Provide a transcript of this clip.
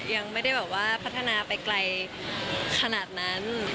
ยังไม่ได้แบบว่าพัฒนาไปไกลขนาดนั้น